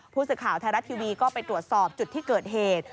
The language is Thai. ผู้สื่อข่าวไทยรัฐทีวีก็ไปตรวจสอบจุดที่เกิดเหตุ